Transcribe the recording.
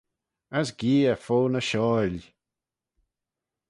As geay fo ny shiauihll